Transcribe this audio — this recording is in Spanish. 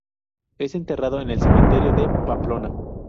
Es enterrado en el cementerio de Pamplona.